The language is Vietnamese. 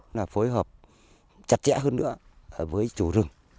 và cũng là phối hợp chặt chẽ hơn nữa với chủ rừng